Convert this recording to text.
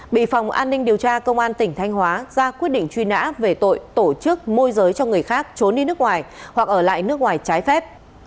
bị phòng an ninh điều tra công an tỉnh thanh hóa ra quyết định truy nã về tội tổ chức môi giới cho người khác trốn đi nước ngoài hoặc ở lại nước ngoài trái phép